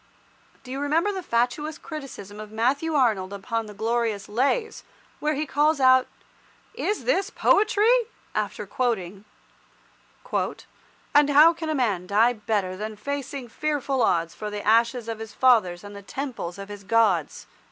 Do you remember the fatuous criticism of Matthew Arnold upon the glorious "Lays," where he calls out "is this poetry?" after quoting— "And how can man die better Than facing fearful odds For the ashes of his fathers And the Temples of his Gods?"